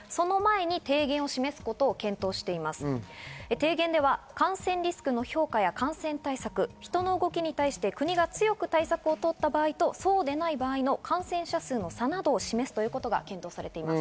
提言では感染リスクの評価や、感染対策、人の動きに対して国が強く対策をとった場合と、そうでない場合の感染者数の差を示すことなどが検討されています。